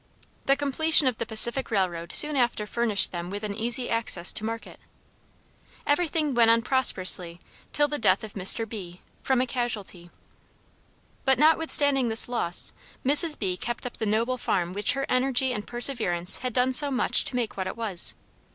The completion of the Pacific Railroad soon after furnished them with an easy access to market. Every thing went on prosperously till the death of Mr. B from a casualty. But notwithstanding this loss, Mrs. B kept up the noble farm which her energy and perseverance had done so much to make what it was.